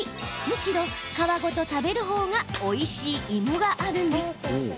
むしろ皮ごと食べる方がおいしい芋があるんです。